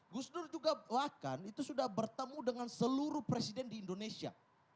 gus dur juga bahkan itu sudah bertemu dengan seluruh presiden di indonesia